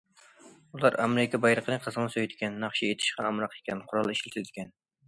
ئۇلار ئامېرىكا بايرىقىنى قىزغىن سۆيىدىكەن، ناخشا ئېيتىشقا ئامراق ئىكەن، قورال ئىشلىتىدىكەن.